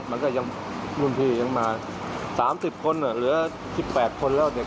มันก็ยังรุ่นพี่ยังมา๓๐คนเหลือ๑๘คนแล้วเนี่ย